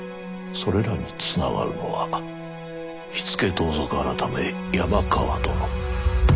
それらにつながるのは火付盗賊改山川殿。